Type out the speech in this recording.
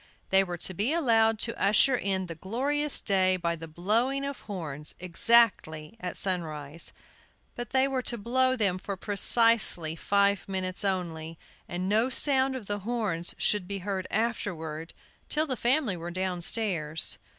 They were to be allowed to usher in the glorious day by the blowing of horns exactly at sunrise. But they were to blow them for precisely five minutes only, and no sound of the horns should be heard afterward till the family were downstairs.